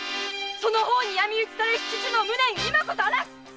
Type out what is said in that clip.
その方に闇討ちされし父の無念今こそ晴らす。